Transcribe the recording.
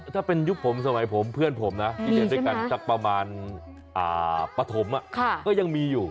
ถ้าเป็นยุคผมสมัยผมเพื่อนผมนะที่เรียนด้วยกันสักประมาณปฐมก็ยังมีอยู่